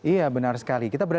iya benar sekali